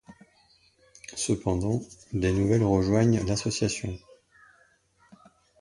Cependant des nouvelles rejoignent l'association.